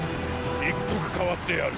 一刻代わってやる。